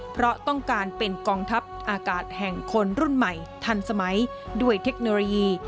เพราะต้องการเป็นกองทัพอากาศแห่งคนรุ่นใหม่ทันสมัยด้วยเทคโนโลยี